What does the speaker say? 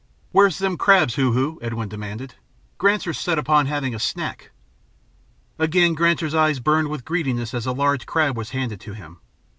"Where's them crabs, Hoo Hoo?" Edwin demanded. "Granser's set upon having a snack." Again Granser's eyes burned with greediness as a large crab was handed to him.